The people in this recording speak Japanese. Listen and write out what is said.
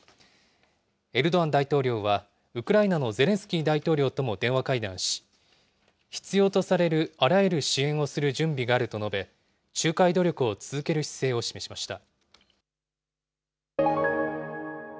エルドアン大統領は、ウクライナのゼレンスキー大統領とも電話会談し、必要とされるあらゆる支援をする準備があると述べ、仲介努力を続ける姿勢を示しました。